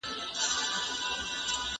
خلګو پخوا په ازاد ډول عبادت کاوه.